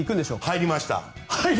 入りました。